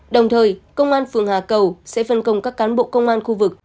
đồng thời công an phường hà cầu sẽ phân công các cán bộ công an khu vực